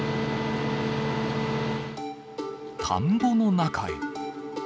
田んぼの中へ。